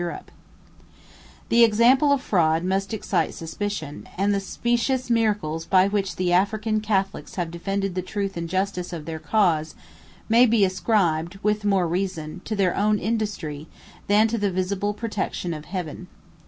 ] The example of fraud must excite suspicion: and the specious miracles by which the African Catholics have defended the truth and justice of their cause, may be ascribed, with more reason, to their own industry, than to the visible protection of Heaven.